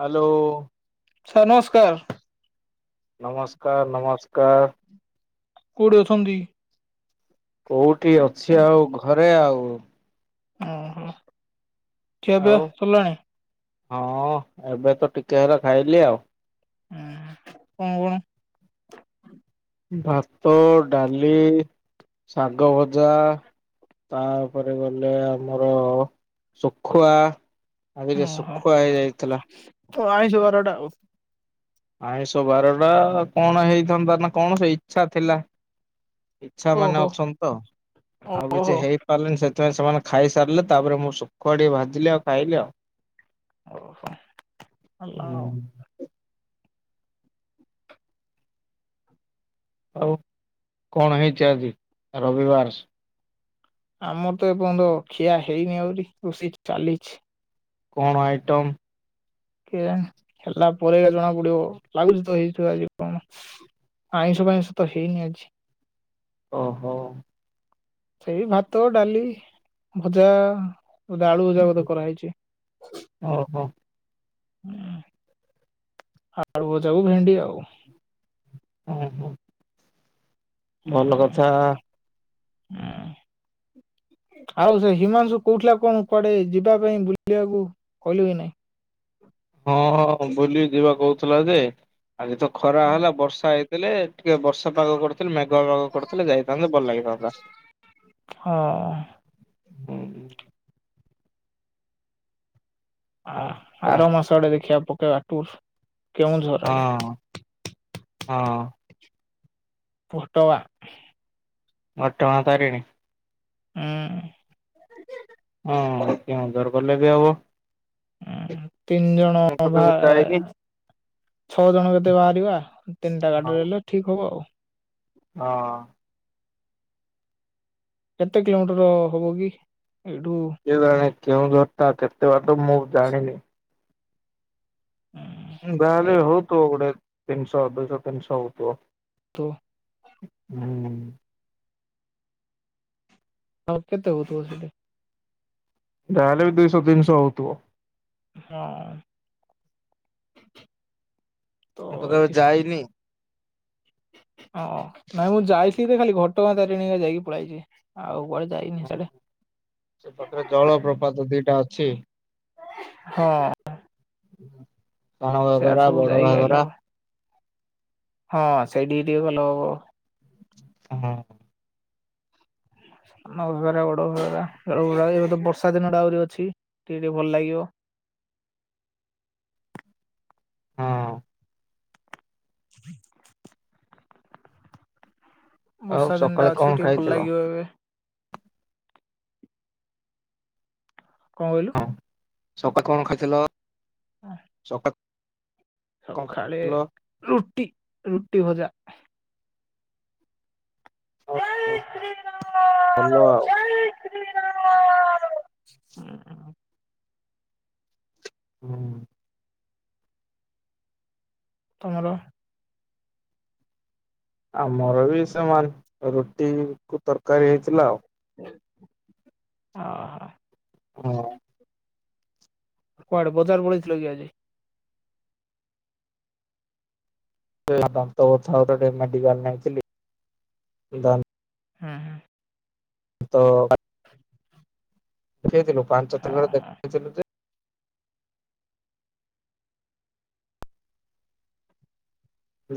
Hello. Sir ନମସ୍କାର।। ନମସ୍କାର ନମସ୍କାର। କୋଉଠି ଅଛନ୍ତି? କୋଉଠି ଅଛି ଆଉ ଘରେ ଆଉ। ଓହୋ ଖିଆପିଆ ଆଉ ସାରିଲାଣି? ହଁ ଏବେ ତ ଟିକେ ହେଲା ଖାଇଲି ଆଉ। ହଁ କଣ କଣ ଭାତ ଡାଲି ଶାଗ ଭଜା। ତାପରେ ଗଲେ ଆମର ଶୁଖୁଆ। ଆଜି ସୁଖୁଆହେଇଯାଇଥିଲା। ହ ଆଇଶ ବାରଟା ଆଉ। ଆଇଁଷ ବାର ଟା କଣ ହେଇଥାନ୍ତା ନା କଣ ସେ ଇଛା ଥିଲା ଇଚ୍ଛା ମାନେ ଅଛନ୍ତି ତ ଆଉ ଓହୋ କିଛି ଓହୋ ହେଇପାରିଲେନି ସେ ପ୍ରାଇେ ସେମାନେ ଖାଇସାରିଲେ ତାପରେ ମୁଁ ଶୁଖାଆ ଟିକେ ଭାଜିଲେ ଆଉ ଖାଇଲି ଆଉ। ଓହୋ ଆଲ୍ ହୁଁ ଆଉ କଣ ହେଇଛି ଆଜି ରବିବାରେ? ଆମର ତ ଏ ବନ୍ତ ଖିଆ ହେଇନି ଆହୁରି ରୋଷେଇ ଚାଲିଛି। କଣ ଆଇଟମ୍? କି ଜାଣି ହେଲା ପରେ ଜଣା ପଡିବ ଲାଗୁଛି ତ ହେଇଥିବ ଆଜି କଣ ଆଇଁଷ ବାଇଁଷ ତ ହେଇନି ଆଜି ଓହୋ ସେଇ ଭାତ ଡାଲି ଭଜା। ବୋଧେ ଆଳୁ ଭଜା ବୋଧେ କରାହେଇଛି। ଓହୋ ହ ଆଲୁ ବଜାଉ ଭେଣ୍ଡି ଆଉ ହ ହ ଭଲ କଥା। ଆଉ ସେ ହିମାଂଶୁ କୋଉଥିଲା କଣ କୁଆଡେ ଯିବା ପାଇଁ ବୁଲିବାକୁ କହିଲେ ହ ନାଇଁ। ହଁ ବୁଲି ଯିବା କହୁଥିଲା ଯେ ଆଜି ତ ଖରା ହଁ ହେଲା ବର୍ଷା ଏ ଦେଲେ ଟିକେ ବର୍ଷା ପାଗ କର ମେଘ କରୁଥିଲେ ଯାଇଥାନ୍ତେ ଭଲ ଲାଗିଥାନ୍ତା। ହୁଁ। ପରା ଆ-ଆର ମାସ ଆଡେ ଦେଖିବା ପକେଇବା ଟୁର କେଉଁଝର ଆଡେ। ହଁ ହଁ। ଫୋଟଆ ଘଟଙ୍ଗା ତାରିଣୀ। ହୁଁ। ହଁ କେଉଁଝର୍ ଗଲେ ବି ହବ। ହୁଁ ତିନି ଜଣ ମୁଁ ତ ଭା କେବେ ଯାଇନି ଛଅ ଜଣ କେତେ ବାହାରିବା ତିନିଟା ହଁ ଗାଡିରେ ହେଲେ ଠିକ ହବ ଆଉ। ହଁ। କେତେ କିିଲୋମିଟର ହବ କି? ଏଇଠୁ କିଏ ଜାଣେ କେଉଁ ଦୂରତା କେତେ ବାଟ ମୁଁ ଜାଣିନି। ଯାହା ହେଲେ ହୋଉଥିବ ଗୋଟେ ତିନଶହ ଦୁଇଶହ ତିନଶହ ହୋଉଥିବ। [unintelligible] ହୁଁ। ହଁ କେତେ ହୋଉଥିବ ସେଠି? ଯାହାହେଲେ ବି ଦୁଇଶହ ତିନିଶହ ହୋଉଥିବ। ହଁ। ମୁଁ ତ କେବେ ଯାଇନି। ହଁ ନାଇଁ ମୁଁ ଯାଇଥିଲି ଯେ ଖାଲି ଘଟଗାଁ ତାରିଣୀ ଯାଇକି ପଳେଇଚି ଆଉ। କୁଆଡେ ଯାଇନି ସିଆଡେ [unintelligible] ସେ ପାଖରେ ଜଳପ୍ରପାତ ଦିଇଟା ଅଛି। ହଁ। ସାନ ସେଆଡେ ଘାଗରା ସବୁ ବଡ ଯାଇକି ଆଇଲା ଘାଗରା ହଁ ସେଇଟିକି ଟିକେ ଗଲେ ହବ। ହଁ। ସାନ ଘାଗରା ବଡ ଘାଗରା ସବୁ ବୁଲା ବୁଲି [unintelligible] ବର୍ଷା ଦିନଟା ଆହୁରି ଅଛି ଟିକେ ଟିକେ ଭଲ ଲାଗିବ। ହଁ। [inaudible] ଆଉ ବର୍ଷା ଦିନଟା ସକାଳେ ଅଛି କଣ ଟିକେ ଭଲ ଖାଇଥିଲ? ଲାଗିବ ଏବେ। କଣ କହିଲୁ? ସକା କଣ ଖାଇଥିଲ ସକା ସକାଳେ ରୁଟି ରୁଟି ଭଜା। [unintelligible] ଭଲ ଆଉ। ହୁଁ ହୁଁ। ତମର ଆମର ବି ସମାନ ରୁଟି କୁ ତରକାରୀ ହେଇଥିଲା ଆଉ। ଓହୋ। ହଁ। କୁଆଡେ ବଜାର ପେଇଥିଲ କି ଆଜି? [unintelligible] ଦାନ୍ତ ବଥା [unintelligible] ମେଡିିକାଲ ନେଇଥିଲି ଦା ହୁଁ ହୁଁ। ନ୍ତ ଦେଖେଇଥିଲୁ ପାଞ୍ଚ [unintelligible] ହଁ ଦେଖେଇଥିଲୁ ଯେ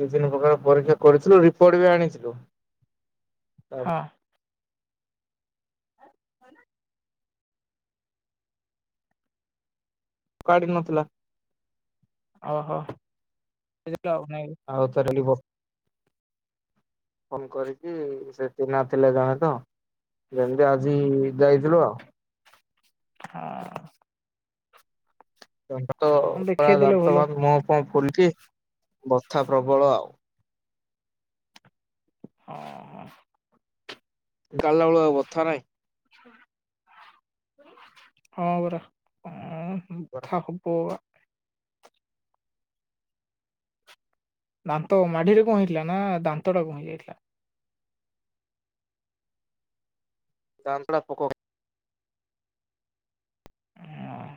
ଦୁଇ ତିନି ପ୍ରକାର ପରୀକ୍ଷା କରିଥିଲୁ ରିପୋର୍ଟ ବି ଆଣିଥିଲୁ। ହଁ। ହଁ ନା କାଢି ନଥିଲା। ଓହୋ। ନାଇଁ ଆଉ ତରଳିବ ଫୋନ କରିକି ସେଠି ନଥିଲେ ଜଣେ ତ ଯେମତି ଆଜି ଯାଇଥିଲ। ହଁ। ଦାନ୍ତ ପୁରା ଦେଖେଇଦେଲେ ଦାନ୍ତ ବା ଭଲ ମୁହଫୁହ ଫୁଲକି ବଥା ପ୍ରବଳ ଆଉ। ହଁ ହଁ‌। ଗାଲ ମୂଳ ବଥା ନାହିଁ। ହଁ ପରା ଉଁ। ବଥା ହବବା। ଦାନ୍ତ ମାଢିରେ କଣ ହେଇଥିଲା ନା ଦାନ୍ତଟାକୁ ଭାଙ୍ଗି ଯାଇଥିଲା? ଦାନ୍ତଟା ପୋକ ଖାଇ ଅଁ,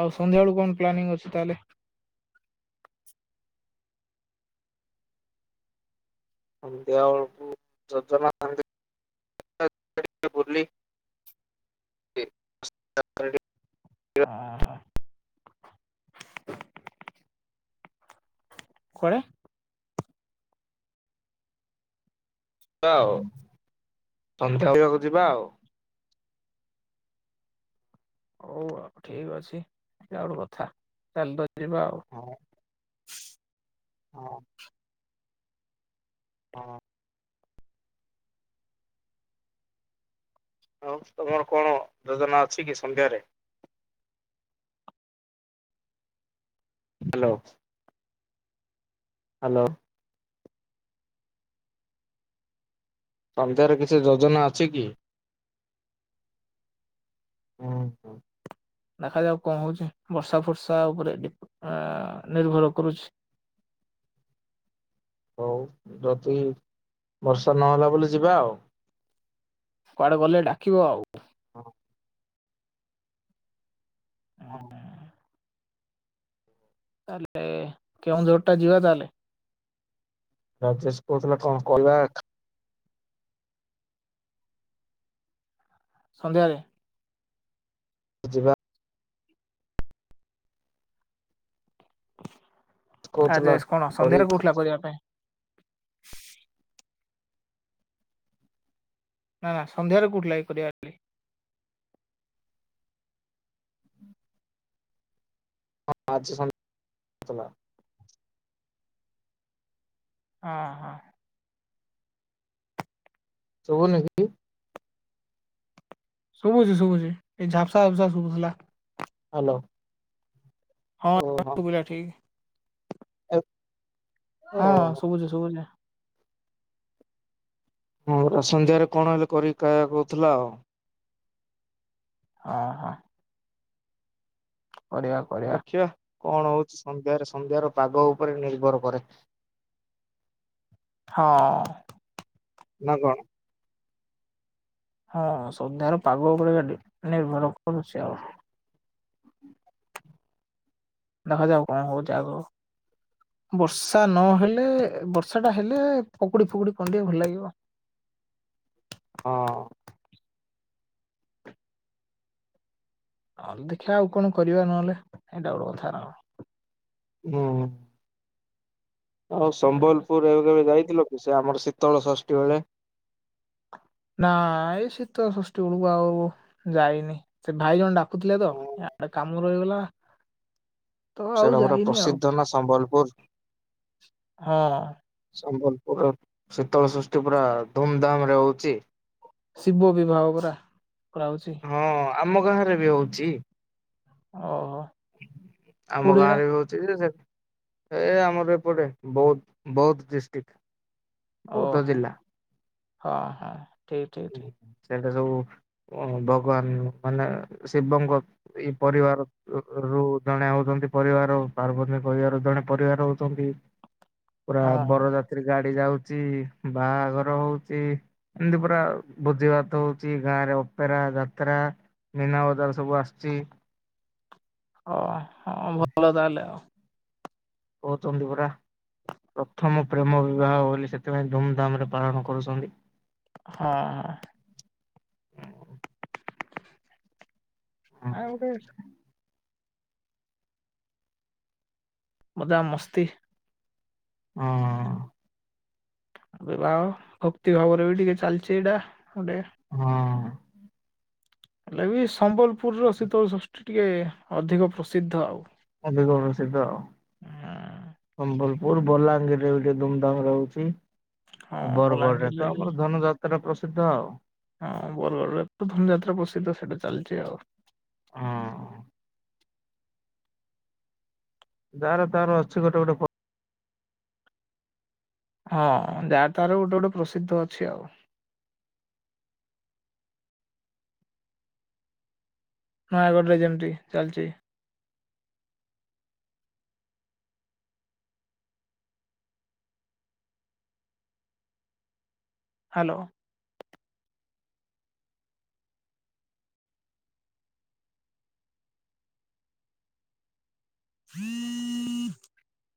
ଆଉ ସନ୍ଧ୍ୟା ବେଳୁ କଣ ପ୍ଲାନିଂ ଅଛି ତାହେଲେ? ସନ୍ଧ୍ୟା ବେଳକୁ ଯୋଜନା [unintelligible] [unintelligible] [unintelligible] କୁଆଡେ? ଯିବା ଆଉ ସନ୍ଧ୍ୟା ବୁଲିବାକୁ ଯିବା ଆଉ। ହଉ ଆଉ ଠିକ ଅଛି ଏଟାଗୋଟେ କଥା ଚାଲ ଯିବା ଆଉ। ହଁ ହଁ। ହଁ। ଆଉ ତମର କଣ ଯୋଜନା ଅଛି କି ସନ୍ଧ୍ୟାରେ ହ୍ୟାଲୋ ହ୍ୟାଲୋ ସନ୍ଧ୍ୟାର କିଛି ଯୋଜନା ଅଛି କି? ହୁଁ ହୁ। ଦେଖାଯାଉ କଣ ହଉଛି ବର୍ଷା ଫର୍ଷା ଉପରେ ଅ ନିର୍ଭର କରୁଛି। ହଉ ଯଦି ବର୍ଷା ନହେଲା ବୋଲେ ଯିବା ଆଉ। କୁଆଡେ ଗଲେ ଡାକିବ ଆଉ। ହଁ। ହଁ। ତାହଲେ କେଉଁ ଜୋର ଟା ଯିବା ତାହଲେ। ରାଜେଶ କହୁଥିଲା କଣ କଲା। ସନ୍ଧ୍ୟାବେଳେ। ଯିବା। କହୁଥିଲା ରାଜେଶ୍ କଣ କରି ସନ୍ଧ୍ୟାରେ କହୁଥିଲା କରିବା ପାଇଁ। ନା ନା ସନ୍ଧ୍ୟାରେ କହୁଥିଲାକି କରିବା ପାଇଁ। [unintelligible] ହଁ ହଁ। ଶୁଭୁନି କି? ଶୁଭୁଛି ଶୁଭୁଛି। ଏଇ ଝାପ୍ସା ଝାପ୍ସା ଶୁଭୁଥିଲା। ହ୍ୟାଲୋ। ହଁ ପୁରା ଠିକ। ହେ। ହଁ ଶୁଭୁଛି ଶୁଭୁଛି। ହଁ ସନ୍ଧ୍ୟାରେ କଣ ହେଲେ କରିକି ଖାଇବା କହୁଥିଲା ଆଉ। ହଁ ହଁ। କରିବା କରିବା। ଦେଖିବା କଣ ହଉଛି ସନ୍ଧ୍ୟାରେ ସନ୍ଧ୍ୟାର ପାଗ ଉପରେ ନିର୍ଭର କରେ। ହଁ। ନା କଣ? ହଁ ସନ୍ଧ୍ୟାର ପାଗ ଉପରେ ଆକା ନିର୍ଭର କରୁଛି ଆଉ। [inaudible] ଦେଖାଯାଉ କଣ ହେଉଛି ଆଗକୁ। ବର୍ଷା ନହେଲେ ବର୍ଷା ଟା ହେଲେ ପକୁଡି ଫକୁଡି କଣ ଟିକେ ଭଲ ଲାଗିବ। ହଁ। ନହେଲେ ଦେଖିବା ଆଉ କଣ କରିବା ନହେଲେ ଏଇଟା ଗୋଟେ କଥା ନା କଣ? ହୁଁ। ଆଉ ସମ୍ବଲପୁର ଏବେ କେବେ ଯାଇଥିଲ କି ସେ ଆମର ଶୀତଳ ଷଷ୍ଠୀ ବେଳେ। ନାଇ ଶୀତଳ ଷଷ୍ଠୀ ବେଳକୁ ଆଉ ଯାଇନି ସେ ଭାଇ ଜଣେ ଡାକୁ କୁଥିଲେ ତ ୟାଡେ କାମ ରହିଗଲା। ତ ଆଉ ସେଟା ଗୋଟେ ଯାଇନି ଆଉ ପ୍ରସିଦ୍ଧ ନା ସମ୍ବଲପୁର। ହଁ। ସମ୍ବଲପୁର ରେ ଶୀତଳ ଷଷ୍ଠୀ ପୁରା ଧୁମଧାମ ରେ ହଉଛି। ଶିବ ବିବାହ ପରା କରାଉଛି। ହଁ ଆମ ଗାଁରେ ବି ହଉଚି। ଓହୋ ଆମ କୋଉଠି ଏଇଟା ଗାଁରେ ବି ହଉଛି ଯେ ସେ ଏ ଆମର ଏପଟେ ବୌଦ୍ଧ ବୌଦ୍ଧ ଡିଷ୍ଟିକ୍। ବୌଦ୍ଧ ଓହୋ ଜିଲ୍ଲା। ହଁ ହଁ ଠିକ ଠିକ ଠିକ। ସେ ସବୁ ଭଗବାନ ମାନେ ଶିବଙ୍କ ଇ ପରିବାର ରୁ। ଜଣେ ହଉଛନ୍ତି ପରିବାର ପାର୍ବତୀ ଙ୍କ ପରିବାର ଜଣେ ପରିବାର ହଉଛନ୍ତି। ପୁରା ହଁ ବରଯାତ୍ରୀ ଗାଡ଼ି ଯାଉଛି ବାହାଘର ହଉଛି ଏମିତି ପୁରା ଆଉ। ଭୋଜି ଭାତ ହଉଛି ଗାଁ ରେ ଅପେରା, ଯାତ୍ରା, ମୀନା ବଜାର ସବୁ ଆସୁଚି। ହ ହଁ ଭଲ ତାହେଲେ ଆଉ। କଉଚନ୍ତି ପରା। ପ୍ରଥମ ପ୍ରେମ ବିବାହ ବୋଲି ସେଥିପାଇଁ ଧୁମଧାମରେ ପାଳନ କରୁଛନ୍ତି। ହଁ। [unintelligible] ମଜା ମସ୍ତି। ହଁ। ବିବାହ ଭକ୍ତି ଭାବରେ ବି ଟିକେ ଚାଲିଛି ଏଇଟା। ଗୋଟେ ହଁ। ହେଲେ ବି ସମ୍ବଲପୁରର ଶୀତଳ ଷଷ୍ଠୀ ଟିକେ ଅଧିକ ପ୍ରସିଦ୍ଧ ଆଉ। ଅଧିକ ପ୍ରସିଦ୍ଧ ଆଉ। ହୁଁ ସମ୍ବଲପୁର ବଲାଙ୍ଗୀର ରେ ବି ଟିକେ ଗୋଟେ ଧୁମଧାମ ହଉଛି। ହଁ ଆଉ ବରଗଡ ରେ ବଲାଙ୍ଗୀରରେ ତ ବି ଆମର ଧନୁ ଯାତ୍ରା ଟା ପ୍ରସିଦ୍ଧ ଆଉ। ହଁ ବରଗଡ଼ରେ ତ ଧନୁ ଯାତ୍ରା ପ୍ରସିଦ୍ଧ ସେଇଟା ଚାଲିଛି ଆଉ। ହଁ। ଯାର ତାର ଅଛି ଗୋଟେ ଗୋଟେ। ହଁ ଯାର ତାର ଗୋଟେ ଗୋଟେ ପ୍ରସିଦ୍ଧ ଅଛି ଆଉ। ନୟାଗଡ଼ରେ ଯେମିତି ଚାଲିଚି। ହାଲୋ। ହୁଁ [inaudible]